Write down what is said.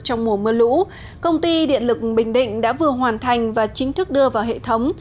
trong mùa mưa lũ công ty điện lực bình định đã vừa hoàn thành và chính thức đưa vào hệ thống